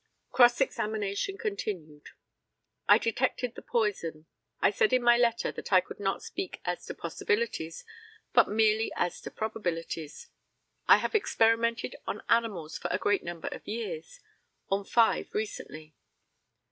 Cross examination continued: I detected the poison. I said in my letter that I could not speak as to possibilities, but merely as to probabilities. I have experimented on animals for a great number of years: on five recently.